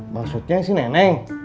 maksudnya si neneng